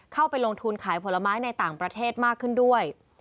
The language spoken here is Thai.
เข้าไปลงทุนขายผลไม้ในต่างประเทศมากขึ้นด้วย